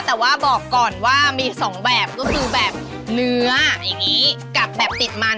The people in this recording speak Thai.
แต่ว่าบอกก่อนว่ามีสองแบบก็คือแบบเนื้ออย่างนี้กับแบบติดมัน